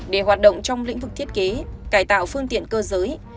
để hoạt động trong lĩnh vực thiết kế cải tạo phương tiện cơ giới